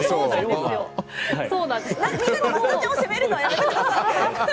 みんなで桝田さんを責めるのはやめてください！